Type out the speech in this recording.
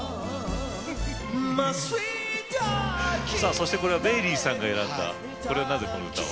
そしてこれはメイリーさんが選んだなぜこの歌を？